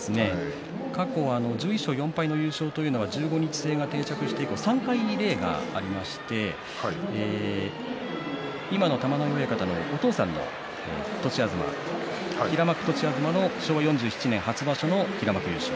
過去１１勝４敗の優勝というのは１５日制が定着して３回例がありまして今の玉ノ井親方のお父さんの栃東平幕栃東の昭和４７年初場所の平幕優勝。